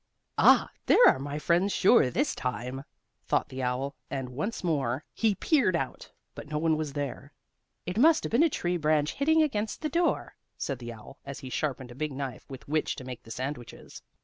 "Ah, there are my friends, sure, this time!" thought the owl, and once more he peered out, but no one was there. "It must have been a tree branch hitting against the door," said the owl, as he sharpened a big knife with which to make the sandwiches.